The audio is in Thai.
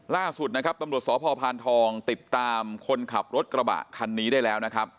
ล่าสุดนะครับตำรวจสพพานทองติดตามคนขับรถกระบะคันนี้ได้แล้วนะครับ